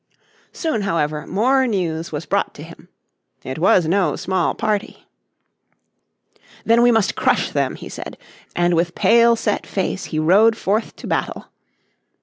Soon, however, more news was brought to him. It was no small party. "Then we must crush them," he said, and with pale set face he rode forth to battle.